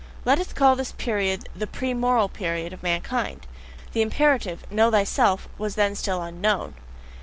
Let us call this period the PRE MORAL period of mankind; the imperative, "Know thyself!" was then still unknown.